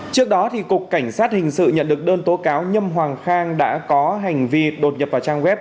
trước đó cục cảnh sát hình sự nhận được đơn tố cáo nhâm hoàng khang đã có hành vi đột nhập vào trang web